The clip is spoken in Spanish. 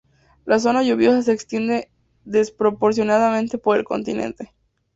La zona lluviosa se extiende desproporcionadamente por el continente.